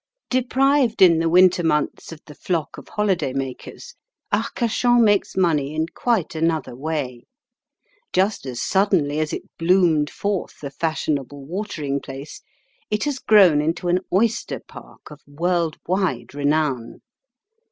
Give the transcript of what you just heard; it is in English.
Deprived in the winter months of the flock of holiday makers, Arcachon makes money in quite another way. Just as suddenly as it bloomed forth a fashionable watering place, it has grown into an oyster park of world wide renown.